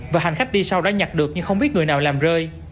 và hành khách đi sau đã nhặt được nhưng không biết người nào làm rơi